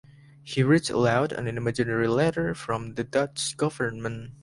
He reads aloud an imaginary letter from the Dutch Government.